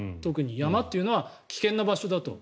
山っていうのは危険な場所だと。